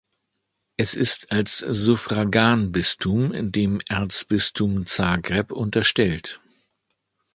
Es ist als Suffraganbistum dem Erzbistum Zagreb unterstellt.